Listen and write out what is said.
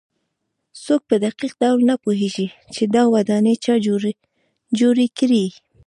څوک په دقیق ډول نه پوهېږي چې دا ودانۍ چا جوړې کړې.